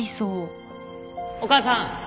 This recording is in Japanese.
お母さん。